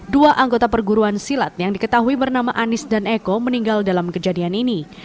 dua anggota perguruan silat yang diketahui bernama anis dan eko meninggal dalam kejadian ini